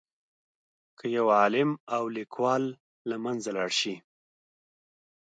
که یو عالم او لیکوال له منځه لاړ شي.